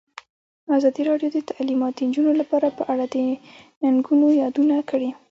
ازادي راډیو د تعلیمات د نجونو لپاره په اړه د ننګونو یادونه کړې.